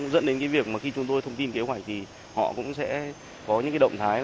dẫn đến việc khi chúng tôi thông tin kế hoạch thì họ cũng sẽ có những động thái